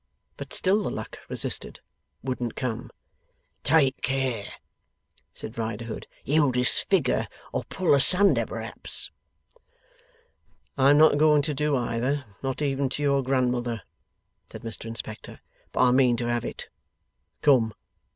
But still the luck resisted; wouldn't come. 'Take care,' said Riderhood. 'You'll disfigure. Or pull asunder perhaps.' 'I am not going to do either, not even to your Grandmother,' said Mr Inspector; 'but I mean to have it. Come!